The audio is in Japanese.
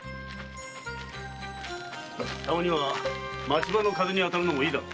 たまには町場の風に当たるのもいいだろう？